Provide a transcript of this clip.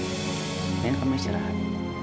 mendingan kamu istirahat